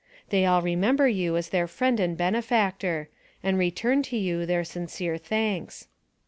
They all remember you as their friend and benefactor, and return to you their sincere thanks.